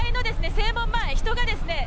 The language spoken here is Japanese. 正門前人がですね